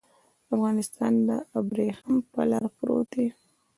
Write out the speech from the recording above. افغانستان د ابريښم پر لار پروت دی.